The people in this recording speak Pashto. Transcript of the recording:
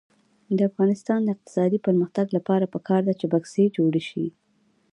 د افغانستان د اقتصادي پرمختګ لپاره پکار ده چې بکسې جوړې شي.